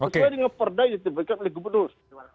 saya diperdayakan sebagai legumenus